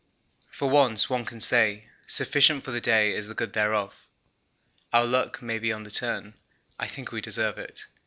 For once one can say 'sufficient for the day is the good thereof.' Our luck may be on the turn I think we deserve it.